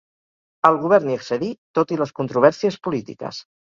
El govern hi accedí tot i les controvèrsies polítiques.